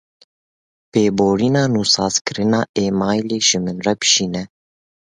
Pêborîna nûsazkirina emaîlê ji min re bişîne.